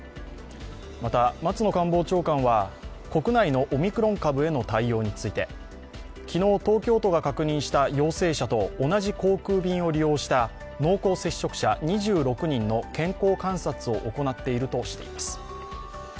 また松野官房長官は国内のオミクロン株への対応について昨日、東京都が確認した陽性者と同じ航空便を利用した濃厚接触者２６人の健康観察を行っているとしています。